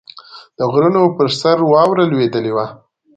د غرونو پر سر واوره لوېدلې وه.